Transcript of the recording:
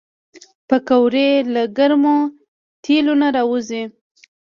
پکورې له ګرم تیلو نه راوځي